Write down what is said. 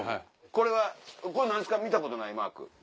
これはこれ何ですか見たことないマーク。